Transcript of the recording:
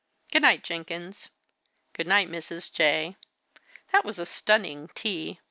Good night, Jenkins. Good night, Mrs. J. That was a stunning tea!